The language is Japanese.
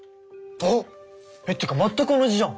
あっ！ってか全く同じじゃん。